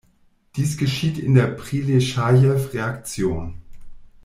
Dies geschieht in der Prileschajew-Reaktion.